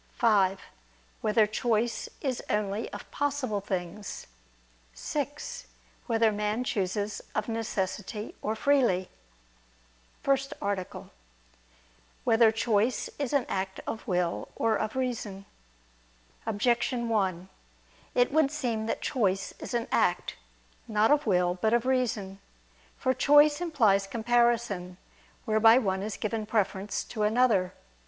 (5) Whether choice is only of possible things? (6) Whether man chooses of necessity or freely? ________________________ FIRST ARTICLE [I II, Q. 13, Art. 1] Whether Choice Is an Act of Will or of Reason? Objection 1: It would seem that choice is an act, not of will but of reason. For choice implies comparison, whereby one is given preference to another.